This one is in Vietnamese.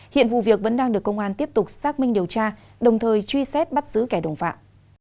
hiện vụ việc vẫn đang được công an tiếp tục xác minh điều tra đồng thời truy xét bắt giữ kẻ đồng phạm